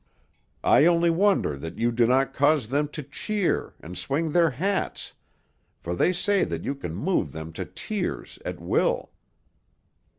I only wonder that you do not cause them to cheer, and swing their hats, for they say that you can move them to tears at will."